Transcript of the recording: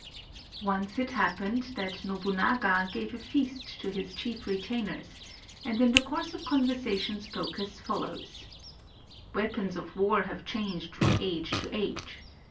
] Once it happened that Nobunaga gave a feast to his chief retainers and in the course of conversation spoke as follows: "Weapons of war have changed from age to age.